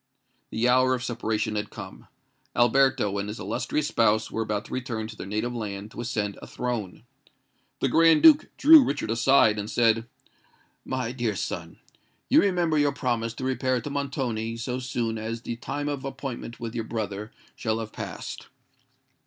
The hour of separation had come: Alberto and his illustrious spouse were about to return to their native land to ascend a throne. The Grand Duke drew Richard aside, and said, "My dear son, you remember your promise to repair to Montoni so soon as the time of appointment with your brother shall have passed."